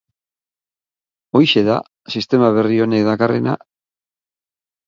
Horixe da sistema berri honek dakarrena.